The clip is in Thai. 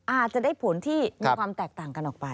อาจจะได้ผลที่มีความแตกต่างกันออกไป